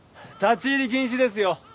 立ち入り禁止ですよ。